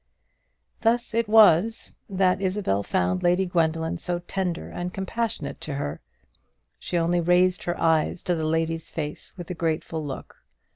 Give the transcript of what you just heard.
Thus it was that Isabel found Lady Gwendoline so tender and compassionate to her. She only raised her eyes to the lady's face with a grateful look.